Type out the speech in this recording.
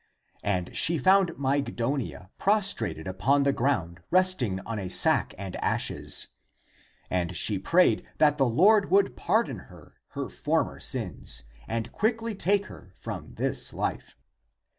And she found Mygdonia prostrated upon the ground resting on a sack and ashes. And she prayed that the Lord would pardon her her former sins and quickly take her from this life.